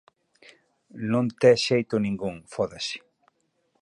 Non tes xeito ningún, fódase.